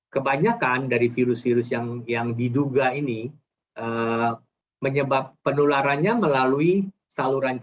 kebanyakan dari virus virus yang diduga ini menyebab penularannya melalui saluran cerna dan saluran nafas